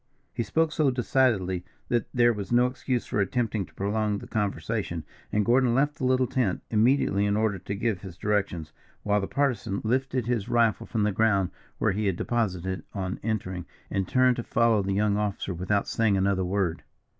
He spoke so decidedly that there was no excuse for attempting to prolong the conversation, and Gordon left the little tent immediately in order to give his directions, while the Partisan lifted his rifle from the ground where he had deposited it on entering, and turned to follow the young officer without saying another word.